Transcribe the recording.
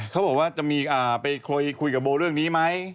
เขาบอกว่าจะมีไปคุยกับโบเรื่องนี้ไหม